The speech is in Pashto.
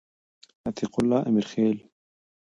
عتیق الله امرخیل